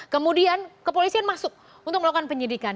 kemudian kepolisian masuk untuk melakukan penyidikan